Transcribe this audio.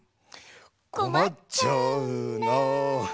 「こまっちゃうな」